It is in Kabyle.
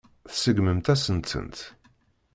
Tseggmemt-asen-tent.